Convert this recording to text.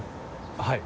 はい。